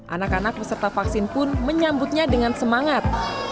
anak anak peserta vaksin pun menyambutnya dengan semangat